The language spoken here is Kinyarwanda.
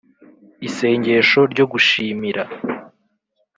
Isengesho ryo gushimira